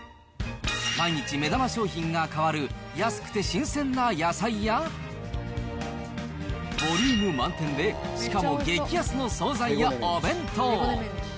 毎日、目玉商品が変わる安くて新鮮な野菜や、ボリューム満点で、しかも激安の総菜やお弁当。